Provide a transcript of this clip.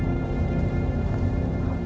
kamu jangan memaksakan aku